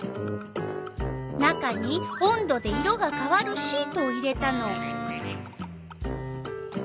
中に温度で色がかわるシートを入れたの。